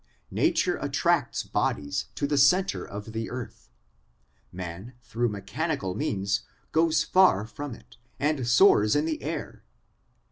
Nature attracts bodies to the centre of the earth ; man through mechanical means goes far from it, and soars in the air.